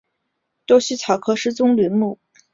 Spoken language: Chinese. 多须草科是棕榈目植物的一科。